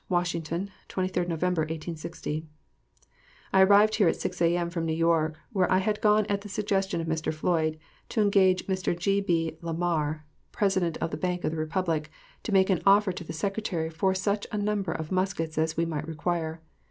WASHINGTON, 23d Nov., 1860. I arrived here at 6 A.M. from New York, where I had gone at the suggestion of Mr. Floyd to engage Mr. G.B. Lamar, President of the Bank of the Republic, to make an offer to the Secretary for such a number of muskets as we might require.